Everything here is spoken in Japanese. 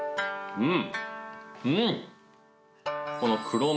うん。